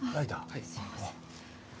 あっすいません